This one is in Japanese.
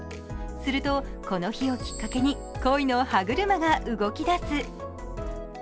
すると、この日をきっかけに恋の歯車が動き出す。